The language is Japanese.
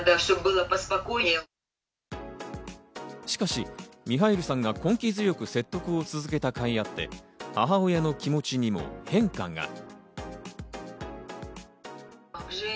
しかしミハイルさんが根気強く説得を続けたかいあって、母親の気持ちにも変化が。